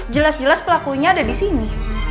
jelas jelas pelakunya ada disini